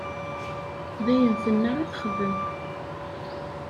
D ayen tenna i texdem.